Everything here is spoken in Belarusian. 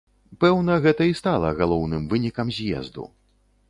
Пэўна, гэта і стала галоўным вынікам з'езду.